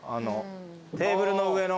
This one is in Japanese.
テーブルの上の。